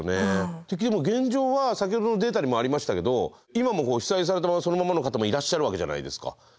現状は先ほどのデータにもありましたけど今も被災されたままそのままの方もいらっしゃるわけじゃないですか。